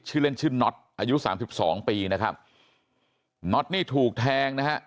เล่นชื่อน็อตอายุสามสิบสองปีนะครับน็อตนี่ถูกแทงนะฮะ